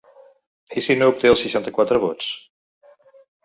I si no obté els seixanta-quatre vots?